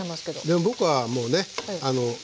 でも僕はもうねあの。